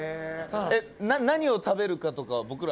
何を食べるかとかは、僕ら。